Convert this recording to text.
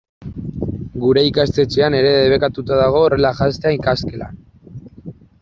Gure ikastetxean ere debekatuta dago horrela janztea ikasgelan.